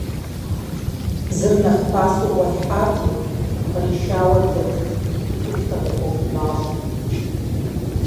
Зыр нэхъ пасэу гъуэлъхьати, къришауэ дэтт, бынхэм яхуэгумащӀэу.